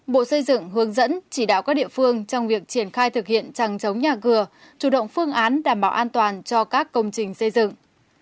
bộ xây dựng hướng dẫn chỉ đạo các địa phương trong việc triển khai thực hiện chẳng chống nhà cửa chủ động phương án đảm bảo an toàn cho các công trình xây dựng